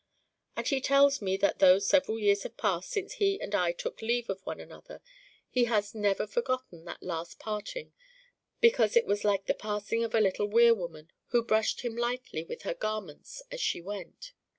And he tells me that though several years have passed since he and I took leave of one another he has never forgotten that last parting because it was like the passing of a little weir woman who brushed him lightly with her garments as she went.